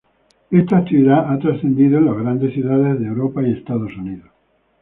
Esta actividad ha trascendido en las grandes ciudades de Europa y Estados Unidos.